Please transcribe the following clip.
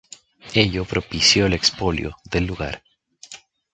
Ello propició el expolio del lugar.